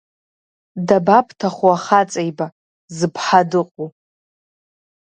Дабабҭахуахаҵаеиба, зыԥҳа дыҟоу.